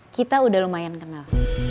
kita udah lumayan kenal